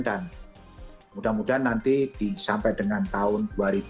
dan mudah mudahan nanti sampai dengan tahun dua ribu dua puluh tiga